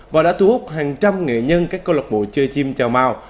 và đã thu hút hàng trăm nghệ nhân các câu lạc bộ chơi chim chào